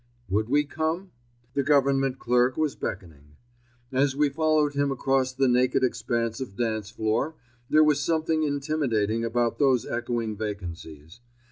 Would we come? The Government clerk was beckoning. As we followed him across the naked expanse of dance floor there was something intimidating about those echoing vacancies.